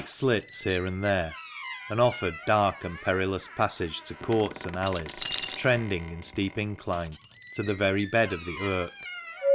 3 slits here and there, and offered dark and perilous passage to courts and alleys, trending in steep incline to the very bed of the Irk.